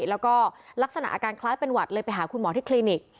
แล้วก็ลักษณะอาการคล้ายเป็นหวัดเลยไปหาคุณหมอที่คลินิก